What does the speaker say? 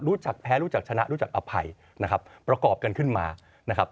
รู้จักแพ้รู้จักชนะรู้จักอภัยนะครับประกอบกันขึ้นมานะครับ